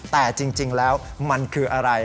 แต่จริงแล้วมันคืออะไร